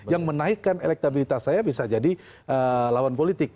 yang menaikkan elektabilitas saya bisa jadi lawan politik